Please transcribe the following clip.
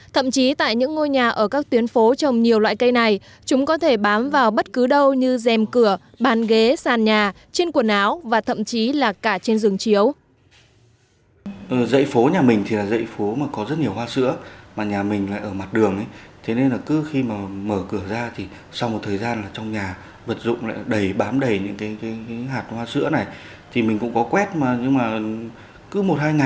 thậm chí tại những ngôi nhà ở các tuyến phố trồng nhiều loại cây này chúng có thể bám vào bất cứ đâu như dèm cửa bàn ghế sàn nhà trên quần áo và thậm chí là cả trên rừng chiếu